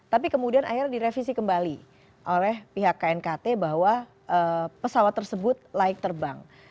tapi kemudian akhirnya direvisi kembali oleh pihak knkt bahwa pesawat tersebut laik terbang